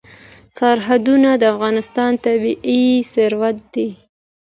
سرحدونه د افغانستان طبعي ثروت دی.